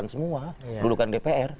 sembilan delapan semua dudukan dpr